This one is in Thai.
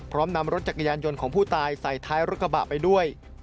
นำรถจักรยานยนต์ของผู้ตายใส่ท้ายรถกระบะไปด้วย